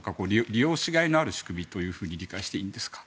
利用しがいのある仕組みというふうに理解していいですか。